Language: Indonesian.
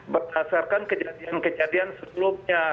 berdasarkan kejadian kejadian sebelumnya